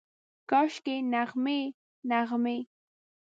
کاشکي، نغمې، نغمې